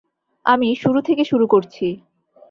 আমি শুরু থেকে শুরু করছি।